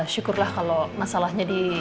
syukurlah kalau masalahnya di